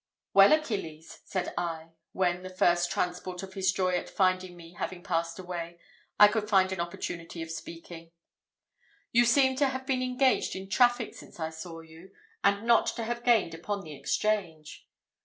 "Well, Achilles," said I, when, the first transport of his joy at finding me having passed away, I could find an opportunity of speaking, "you seem to have been engaged in traffic since I saw you, and not to have gained upon the exchange."